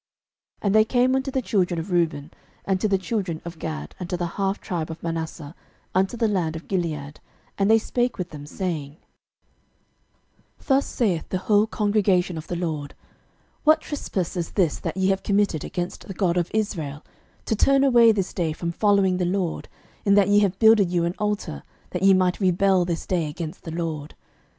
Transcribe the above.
06:022:015 And they came unto the children of Reuben, and to the children of Gad, and to the half tribe of Manasseh, unto the land of Gilead, and they spake with them, saying, 06:022:016 Thus saith the whole congregation of the LORD, What trespass is this that ye have committed against the God of Israel, to turn away this day from following the LORD, in that ye have builded you an altar, that ye might rebel this day against the LORD?